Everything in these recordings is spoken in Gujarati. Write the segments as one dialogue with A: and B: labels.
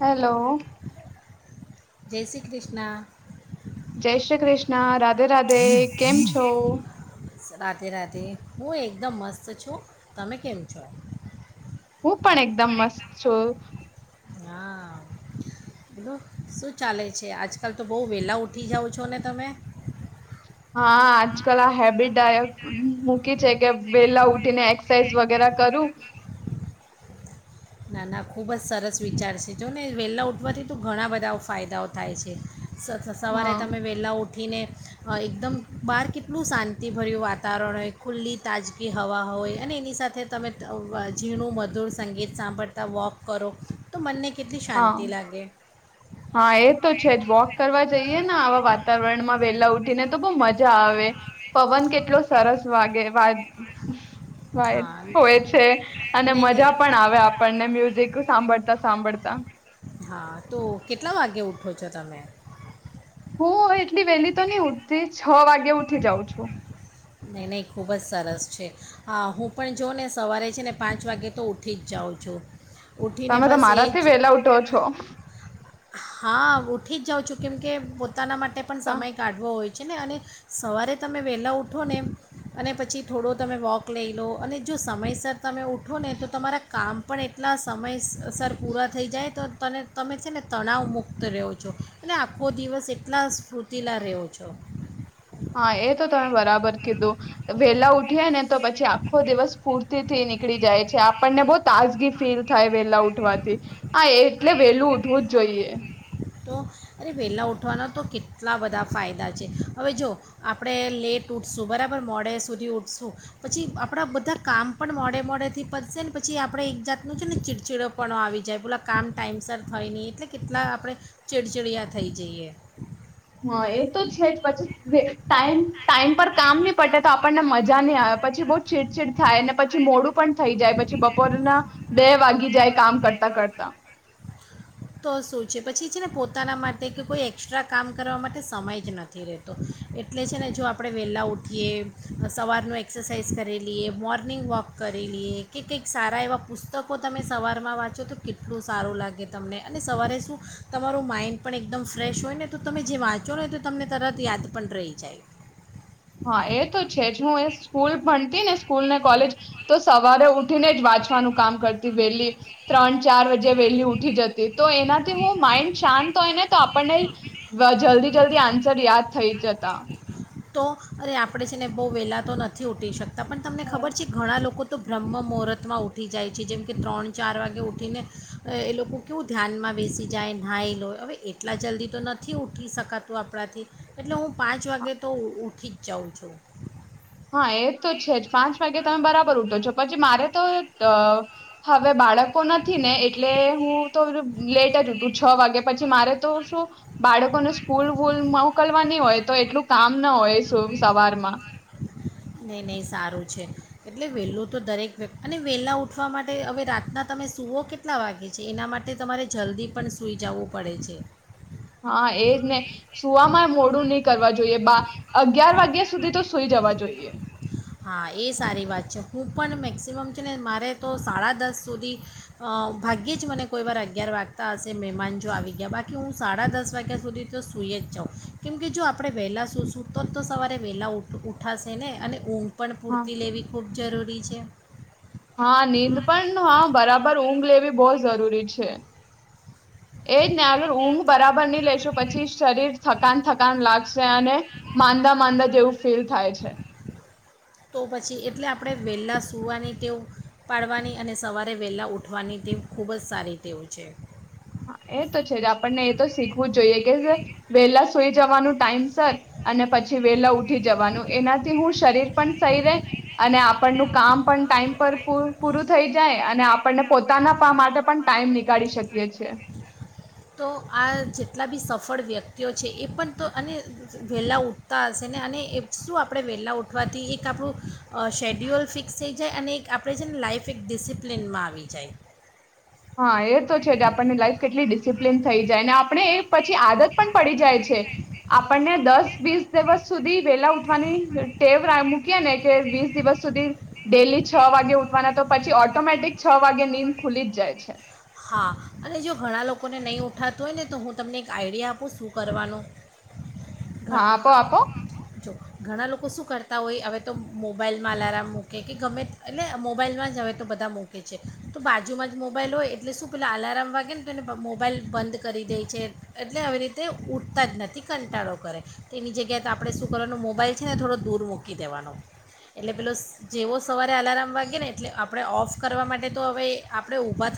A: હેલો.
B: જય શ્રી કૃષ્ણ.
A: જય શ્રી કૃષ્ણ રાધે રાધે કેમ છો.
B: રાધે રાધે હું એકદમ મસ્ત છું તમે કેમ છો.
A: હું પણ એકદમ મસ્ત છું.
B: હા બધું શું ચાલે છે આજકાલ તો બહુ વેલા ઊઠી જાઉં છો ને તમે?
A: હા આજકાલ આ હેબિટ ડાયટ મૂકી છે કે વેલા ઉઠીને એક્સરસાઇઝ વગેરે કરું.
B: ના ના ખૂબ જ સરસ વિચાર છે જો ને વેહલા ઉઠવાથી તો ઘણા બધા ફાયદાઓ થાય છે. સ સવારે
A: હા
B: તમે વહેલા ઉઠ ઉઠીને એકદમ બહાર કેટલું શાંતિભર્યું વાતાવરણ હોય ખુલ્લી તાજગી હવા હોય અને એની સાથે તમે ઝીણું મધુર સંગીત સાંભળ તા વોક કરો તો મનને ક કેટલી
A: હા
B: શાંતિ લાગે.
A: હા એ તો છે જ વોક કરવા જયે યને આવા વાતાવરણમાં વેલા ઉઠીને તો બો મજા આવે પવન કેટલો સરસ વાગે. વય
B: હા
A: હોય છે અને
B: નહીં નહીં
A: મજા પણ આવે આપણને મ્યુઝિક સાંભળતા સાંભળતા.
B: હા તો કેટલા વાગે ઉઠો છો તમે?
A: હું એટલી વહેલી તો ની ઉઠતી. છ વાગ્યા ઉઠી જઉ છું.
B: નહીં નહીં ખૂબ જ સરસ છે હા હું પણ જાઉં ને સવારે છે ને પાંચ વાગે તો ઊઠી જ જાઉં છું. ઉઠીને
A: તમે તો
B: બસ એ
A: મારાથી
B: જ
A: વેલા ઉઠો છો.
B: હા ઉઠી જ જાઉં છું કેમ કે પોતાના માટે પણ સમય
A: હા
B: કાઢવો હોય છે. કે ને અને સવારે તમે વહેલાં ઉઠો ને અને પછી થોડો તમે વોક લઈ લો અને જો સમયસર તમે ઉઠો ને તો તમારા કામ પણ એટલા સમયસર પૂરા થઈ જાય તો તને તમે છે ને તણાવ મુક્ત રહ્યો છો અને આખો દિવસ એટલા સ્ફૂર્તિલા રહ્યો છો.
A: હા એ તો તમે બરાબર કીધું વેલા ઉઠયે ને તો પછી આખો દિવસ પૂરતી થઈ નીક નીકળી જાય છે આપણને બો તાજગી ફીલ થાય. વેલા ઉઠવાથી આ એટલે વેલું ઉઠવું જોઈએ
B: તો અરે વહેલાં ઉઠવાના તો કેટલા બધા ફાયદા છે હવે જો આપણે લેટ ઊઠશું બરાબર, મોડે સુધી ઊઠશું પછી આપણા બધા કામ પણ મોડે મોડેથી પતશે ને પછી આપણે એક જાતનું છે ને ચિડચિડો પણો આવી જાય બોલા કામ ટાઈમસર થાય નહીં એટલે કેટલા આપણે ચિડચિડિયા થઈ જઈએ
A: હા, એ તો છે જ પછી ટાઈમ ટાઈમ પર કામ નહી પટે તો આપણને મજા ની આવે પછી બહુ ચીડચીડ થાય ને પછી મોડું પણ થઈ જાય પછી બપોરના બે વાગી જાય કામ કરતા કરતા
B: ત, શું છે પછી છે ને પોતાના માટે કે કોઈ એક્સ્ટ્રા કામ કરવા માટે સમય જ નથી રહેતો એટલે છે ને જો આપણે વહેલા ઉઠીએ સવારનું એક્સરસાઇઝ કરીલીઈએ મોર્નિંગ વોક કરીલીઈએ કે કંઈક સારા એવાં પુસ્તકો તમે સવારમાં વાંચો તો કેટલું સારું લાગે તમને અને સવારે શું તમારું માઇન્ડ પણ એકદમ ફ્રેશ હોય ને તો તમે જે વાંચો ને તો તમને તરત યાદ પણ રહી જાય
A: હા, એ તો છે જ હું એ સ્કૂલ ભણતી ને સ્કૂલ ને કોલેજ તો સવારે ઉઠીને જ વાંચવાનું કામ કરતી વહેલી ત્રણ, ચાર, વજે જે વેહેલી ઉઠી જતી તો, એનાથી હું માઇન્ડ શાંત હોય ને તો આપણને જલ્દી જલ્દી આન્સર યાદ થઈ જતા
B: તો અરે આપણે છે ને બહુ વહેલાં તો નથી ઉઠી શકતા પણ તમને ખબર છે ઘણા લોકો તો બ્રહ્મ મુહૂર્તમાં ઉઠી જાય છે, જેમ કે ત્રણ, ચાર, વાગે ઉઠીને એ લોકો કેવું ધ્યાનમાં બેસી જાય નાઈ લોય હવે એટલા જલ્દી તો નથી ઉઠી શકાતું આપણાથી એટલે હું પાંચ વાગે તો ઊઠી જ જાઉં છું
A: હા, એ તો છે, જ પાંચ વાગે તમે બરાબર [unintelligible] પછી મારે હવે બાળકો નથી ને એટલે હું તો લેટ જ ઉઠુ છ વાગે પછી મારે તો શું, બાળકોને સ્કૂલ વૂલ મોકલવાની હોય તો એટલું કામ ના હોય. શુભ સવારમાં.
B: નહીં નહીં સારું છે, એટલે વહેલું તો દરેક વ્ય અને વહેલા ઉઠવા માટે હવે રાતના તમે સૂવો કેટલા વાગે છે એના માટે તમારે જલ્દી પણ સૂઈ જવું પડે છે.
A: હા એજ ને, સુવામાં મોડું નહીં કરવા જોઈએ બા, અગિયાર વાગ્યા સુધી તો સુઈ જવા જોઈએ.
B: હા એ સારી વાત છે હું પણ મેક્સિમમ છે ને મારે તો સાડા દસ સુધી, ભાગ્યે જ મને કોઈ વાર અગિયાર વાગતા હશે મહેમાન જો આવી ગયા બાકી હું સાડા દસ વાગ્યા સુધી તો સૂઈ જ જાઉં, કેમ કે જો આપણે વહેલાં સૂશું તો તો સવારે વહેલાંઠ ઉઠાશે ને, અને ઊંઘ પણ
A: હા
B: પૂરતી લેવી ખૂ જરૂરી છે.
A: હા નીંદ પણ હ બરાબર ઊંઘ લેવી બહ જરૂરી છે, એજ ને અગર ઊંઘ બરાબર નહી લેશું પછી શરીર થકાન થકાન લાગશે અને માંંદા માંંદા જેવું ફીલ થાય છે.
B: તો પછી એટલે આપણે વહેલા સૂવાની વ પાડવાની અને સવારે વહેલા ઉઠવાની તેવ ખૂબ જ સારી ટેવ છે.
A: હા એ તો છે જ, આપણને એ તો શીખવું જ જોઈએ કે વેલા સઈ જવાનું ટાઈમ સર, અને પછી વેલા ઉઠી જવાનું એનાથી હું શરીર પણ સઈ રે, અને આપણનું કામ પણ ટાઈમ પર પૂરું થઈ જાય અને આપણને પોતાના પા માટે પણ ટાઈમ નીકાળી શકીએ છીએ. છે.
B: તો આ જેટલા બી સફળ વ્યક્તિઓ છે એ પણ તો અને વહેલા ઊઠતા હશે ને અને શું આપણે વહેલા ઉઠવાથી એક આપણું, શૅડ્યુલ ફિક્સ થઈ જાય અને એક આપણે છે ને લાઈઇફ એક ડિસિપ્લિનમાં આવી જાય.
A: હા એ તો છે કે આપણને લાઈફ કેટલી ડિસિપ્લન થઈ જાય ને આપણે એ પછી આદત પણ પડી જાય છે, આપણને દસ વીસ દિવસ સુધી વેલા ઉઠવાની ટેવ મૂકીએ ને કે વીસ દિવસ સુધી, ડેલી છ વાગે ઉઠવાના તો પછી ઓટોમેટિક છ વાગે નીમ ખુલી જ જાય છે. છે.
B: હા અને, જો ઘણા લોકોને નહીં ઉઠાતું હોય ને તો હું તમને એક આઈડિયા આપું શું કરવાનું. ઘ-
A: હા તો આપો.
B: જો ઘણા લોકો શું કરતા હોય હવે તો મોબાઈલમાં અલાર્મ મૂકે કે ગમે એટલે મોબાઈલમાં જ હવે તો બધા મૂકે છે, તો બાજુમાં જ મોબાઈલ હોય એ એટલે શું પેલાં અલાર્મ વાગે ને તો એને મોબાઈલ બંધ કરી દે છે એટલે આવી રીતે ઊઠતા જ નથી કંટાળો કરે, તે એની જગ્યાએ તો આપણે શું કરવાનું મોબાઈલ છે ને થોડો દૂર મૂકી દેવાનો, એટલે પેલો જેવો સવારે અલાર્મ વાગે ને એટલે આપણે ઓફ કરવા માટે તો હવે આપણે ઊભા થ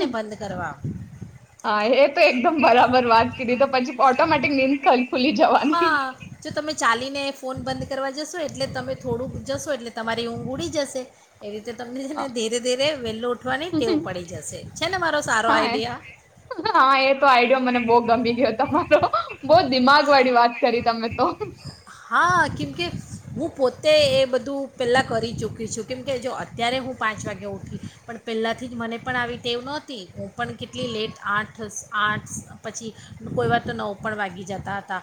B: એને બંધ કરવા
A: હા એ તો એકદમ બરાબર વાત કીધી તો પછી ઓટોમેટિક નિંદકલી
B: હા જો તમે ચાલીને ફોન બંધ કરવા જશો એટલે તમે થોડુંક જશો એટલે તમારી ઊંઘ ઉડી જશે, એવી તે તમને
A: હા
B: ધીરે ધીરે વેહેલો ઉઠવાની ટેવ પડી જશે છે ને મારો સારો
A: હા એ
B: આઈડિયા.
A: હા બહ દિમાગ વાળી વાત કરી તમે તો
B: હા કેમ કે હું પોતે એ બધું પહેલાં કરી ચૂક છું કેમકે જો અત્યારે હું પાંચ વાગે ઉઠી, પણ પહેલાંથી જ મને પણ આવી ટેવ નહોતી હું પણ કેટલી લેટ આઠ આઠ પછી, કોઈ વાર તો નવ પણ વાગી જતા હતા.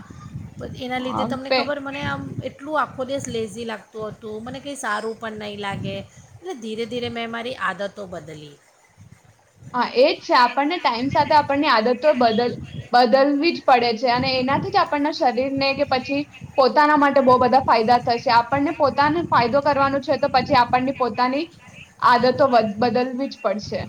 B: પણ એના લીધે
A: હા
B: તમને ખબર મને આમ એટલું આખો દિવસ લેઝી લાગતું હતું મને કંઈ સારું પણ નહીં લાગે, એટલે ધીરે ધીરે મેં મારી આદતો બદલી.
A: હા એ જ છે આપણને ટાઈમ સાથે આપણની આદતો બદલ બદલવી જ પડે છે અને એનાથી જ આપણના શરીરને કે પછી, પોતાના માટે બહુ બધા ફાયદા થશે આપણને પોતાને ફાયદો કરવાનું છે તો પછી આપણની પોતાની, આદતો બદલવી જ પડશે.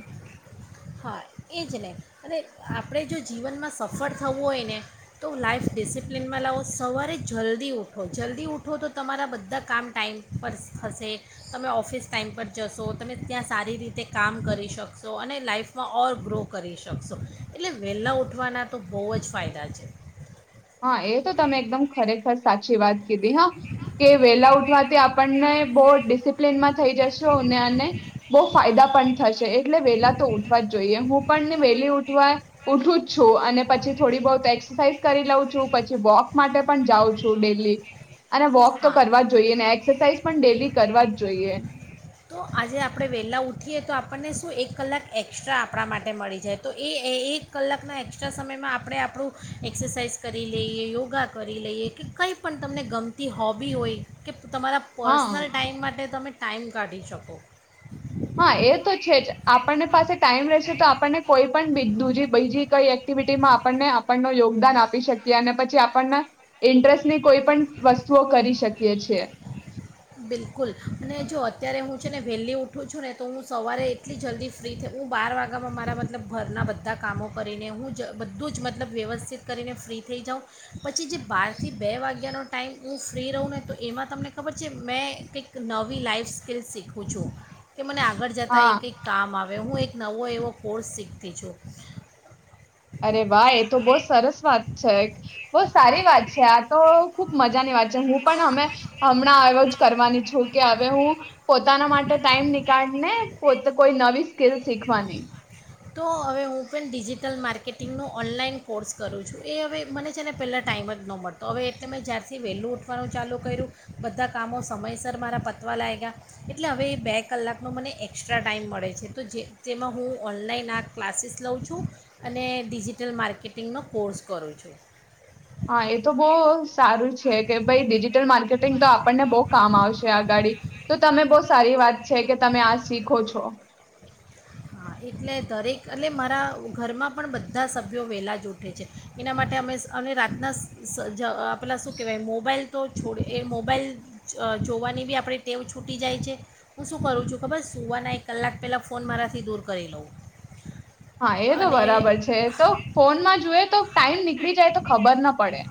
B: હા એ જ ને અને અને આપણે જો જીવનમાં સફળ થવું હોય ને તો લાઈઇફ ડિસિપ્લિનમાં લાવો સવારે જલ્દી ઉઠો જલ્દી ઉઠો તો તમારા બધા કામ ટાઈમ પર થશે તમે ઓફિસ ટાઈમ પર જશો તમે ત્યાં સારી રીતે કામ કરી શકશો અને લાઈફ માં ઓર ગ્રો કરી શકશો, એટલે વહેલા ઉઠવાના તો બહુ જ ફાયદા છે.
A: હા એ તો તમે એકદમ ખરેખર સાચી વાત. હ, કે વેલા ઉઠવાથી આપણને બહુ ડિસિપ્લન માં થઈ જશો અને, બહ ફાયદા પણ થશે એટલે વેલા તો ઉઠવા જ જોઈએ હું ને વેલી ઉઠવા ઉઠું જ છું અને પછી થોડી બ એક્સરસાઇઝ કરી લઉ છ. પછી વોક માટે પણ જાઉ છું ડેલી. અને વોક તો
B: હા
A: કરવા જ જોઈએ ને એક્સરસાઇઝ પણ ડેલી કરવા જ જોઈએ.
B: તો આજે આપણે વહેલાં ઊઠીએ તો આપણને શું એક કલાક એક્સ્ટ્રા આપણા માટે મળી જાય તો એ એક કલાકના એસ્ટ્રા સમયમાં આપણે આપણું, એક્સરસાઇઝ કરી લઈએ યોગા કરી લઈએ કે કંઈ પણ તમને ગમતી હોબી હોય કે તો તમારા
A: હા
B: પર્સનલ ટાઈમ માટે તમે ટાઈમ કાઢી શકો.
A: હા એ તો છે જ આપણને પાસે ટાઈમ રહેશે તો આપણને કોઈ પણ બજી બીજી કઈ એક્ટિવિટીમાં આપણને આપણને યોગદાન આપી શકીએ અને પછી આપણને, ઇન્ટરેસ્ટની કોઈ પણ વસ્તુઓ કરી શકીએ છીએ.
B: બિલકુલ, અને જો અત્યારે હું છે ને વહેલી ઉઠું છું ને તો હું સવારે એટલી જલ્દી ફ્રી થઈ હું બાર વાગ્યામાં મારા મતલબ ઘરના બધા કામો કરીને હું જ બધું જ મતલબ વ્યવસ્થિત કરીને ફ્રી થઈ જાઉં, પછી જે બારથી બે વાગ્યાનો ટાઈમ હું ફ્રી રહું ને તો એમાં તમને ખબર જ મેં કંઈક નવી લાઈફ સ્કિલ્લ શીખું છું. કે મને આગળ જતા
A: હા
B: એક કઈક કામ આવે હું એક એક નવો એવો કોર્સ શીખતી છું.
A: અરે વાહ એ તો બહ સરસ વાત છે, બહ સારી વાત છે આ તો ખુબ મજાની વાત છે હું પણ અમે હમણાં આવ કરવાની છું કે હવે હું પોતાના માટે ટાઈમ નીકાળને પોતે કોઈ નવી સ્કીલ શીખવાની
B: તો હવે હું પણ ડિજિટલ માર્કેટિંગનો ઓનલાઈન કોર્સ કરું છું એ હવે મને છે ને પહેલાં ટાઈમ જ ન મળતો હવે એટલે મેં જ્યારથી વહેલું ઉઠવાનું ચાલુ કર્યું બધા કામો સમયસર મારા પતવા લાગ્યા એટલે હવે એ બે કલાકનો મને એકસ્ટ્રા ટાઈઇમ મળે છે તો જે તેમાં હું ઓનલાઈન ના ક્લાસીસ લઉં છું અને ડિજિટલ માર્કેટિંગનો કોર્સ કરું છું
A: હા એ તો બહ સારું છે કે ભાઈ ડિજિટલ માર્કેટિંગ તો આપણને બહ કામ આવશે આગાડી તો તમે બહ સારી વાત છે કે તમે આ શીખો છો
B: હા એટલે દરેક એટલે મારા ઘરમાં પણ બધા સભ્યો વહેલા જ ઉઠે છે એના માટે અમે અને રાતના પેલાં શું કહેવાય મોબાઈલ તો છોડ એ મોબાઈલ જોવાની બી આપણી ટેવ છૂટી જાય છે હું શું કરું છું ખબર સુવાના એક કલાક પહેલાં ફોન મારા થી દૂર કરી લં
A: હા એ તો બરાબર છે તો ફોનમાં જુએ તો ટાઈમ નીકળી જાય તો ખબર ના પડે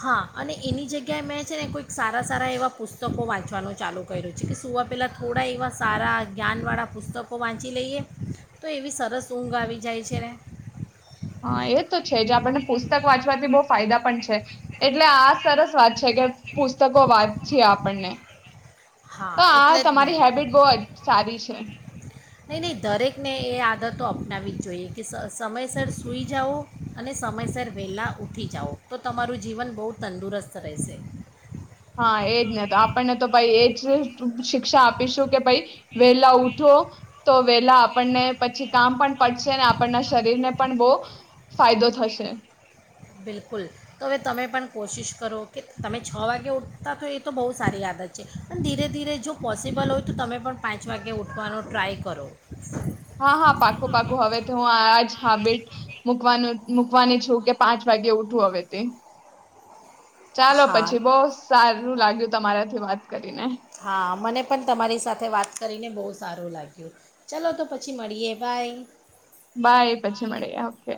B: હા અને એની જગ્યાએ મેં છે ને કોંઈક સારા સારા એવાં પુસ્તકો વાંચવાનું ચાલુ કર્યું છે કે સુવા પહેલાં થોડા એવા સારા જ્ઞાનવાળા પુસ્તકો વાંચી લઈએ તો એવી સરસ ઊંઘ આવી જાય છે ને
A: હા એ તો છે જે આપણને પુસ્તક વાંચવાથી બહુ ફાયદા પણ છે એટલે આ સરસ વાત છે કે પુસ્તકો વાત જે આપણને
B: હા
A: તો આ
B: એટલે જ ને
A: તમારી હેબિટ બહુ જ સારી છે
B: નહીં નહીં દરેકને એ આદતો અપનાવી જ જોઈએ કે સમયસર સુઈ જાઓ અને સમયસર વહેલા ઊઠી જાઓ તો તમારું જીવન બહુ તંદુરસ્ત રહેશે
A: હા એજ ને તો આપણને તો ભાઈ એ જ શિક્ષા આપીશું કે ભાઈ વેલા ઉઠો તો વેલા આપણને પછી કામ પણ પડશે આપણના શરીરને પણ બહ ફાયદો થશે
B: બિલકુલ તો હવે તમે પણ કોશિશ કરો કે તમે છ વાગે ઉઠતા હો એ તો બહુ સારી આદત છે પણ ધીરે ધીરે જો પોસિબલ હોય તો તમે પણ પાંચ વાગે ઉઠવાનો ટ્રાય કરો
A: હા હા પાકું પાકું હવે તો હું આજ હાબિટ મુકવાનું મૂકવાની છું કે પાંચ વાગે ઉઠું હવે તે ચાલો
B: હા
A: પછી બહુ સારું લાગ્યું તમારાથી વાત કરીને
B: હા મને પણ તમારી સાથે વાત કરીને બહુ સારું લાગ્યું, ચાલો તો પછી મળીએ બાય.
A: બાય પછી મળી ઓકે.